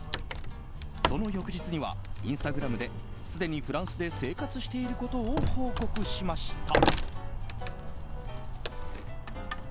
その翌日にはインスタグラムですでにフランスで生活していることを報告しました。